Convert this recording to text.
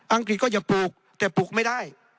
อังกฤษก็จะปลูกแต่ปลูกไม่ได้